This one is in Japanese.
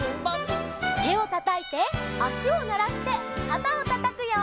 てをたたいてあしをならしてかたをたたくよ。